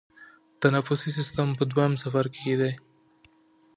تنفسي سیستم په دویم څپرکي کې دی.